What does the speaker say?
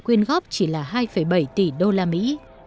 quyên góp chỉ là hai bảy tỷ đô la mỹ